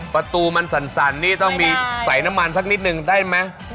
ประตูมันสั่นนี่ต้องมีใส่น้ำมันสักนิดนึงได้ไหม